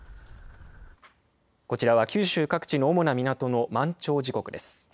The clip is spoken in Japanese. こちらは九州各地の主な港の満潮時刻です。